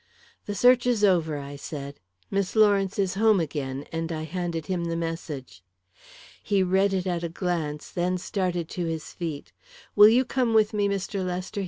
"The search is over," I said. "Miss Lawrence is home again," and I handed him the message. He read it at a glance, then started to his feet. "Will you come with me, Mr. Lester?"